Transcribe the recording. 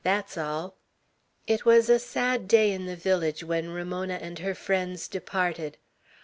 Thet's all!" It was a sad day in the village when Ramona and her friends departed.